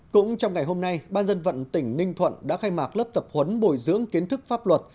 cũng trong ngày hôm nay ban dân vận tỉnh ninh thuận đã khai mạc lớp tập huấn bồi dưỡng kiến thức pháp luật